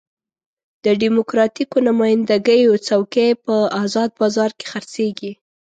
د ډیموکراتیکو نماینده ګیو څوکۍ په ازاد بازار کې خرڅېږي.